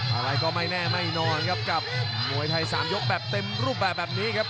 อะไรก็ไม่แน่ไม่นอนครับกับมวยไทย๓ยกแบบเต็มรูปแบบนี้ครับ